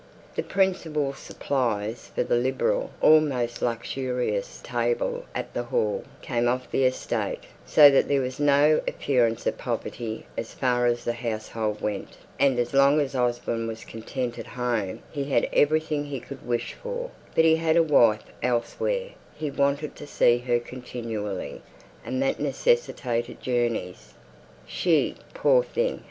The principal supplies for the liberal almost luxurious table at the Hall, came off the estate; so that there was no appearance of poverty as far as the household went; and as long as Osborne was content at home, he had everything he could wish for; but he had a wife elsewhere he wanted to see her continually and that necessitated journeys. She, poor thing!